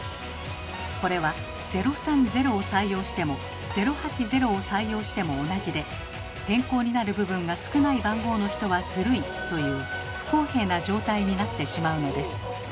これは「０３０」を採用しても「０８０」を採用しても同じで「変更になる部分が少ない番号の人はズルい」という不公平な状態になってしまうのです。